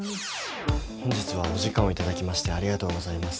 本日はお時間を頂きましてありがとうございます。